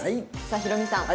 さあヒロミさん